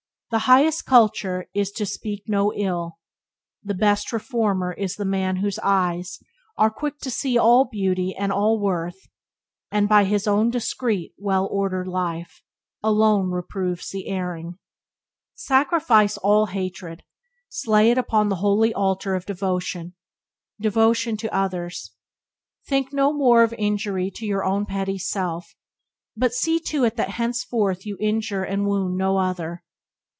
"The highest culture is to speak no ill: The best reformer is the man whose eyes Are quick to see all beauty and all worth; And by his own discreet, well ordered life Byways to Blessedness by James Allen 27 Alone reproves the erring." Sacrifice all hatred, slay it upon the holy altar of devotion — devotion to others. Think no more of any injury to your own petty self, but see to it that henceforth you injure and wound no other.